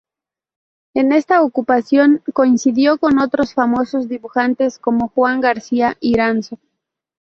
En esta ocupación coincidió con otros famosos dibujantes, como Juan García Iranzo.